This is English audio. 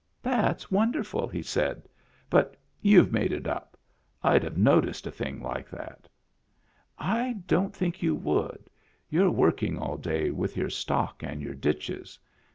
" That's wonderful," he said ;" but you've made it up. I'd have noticed a thing like that." " I don't think you would. You're working all day with your stock and your ditches.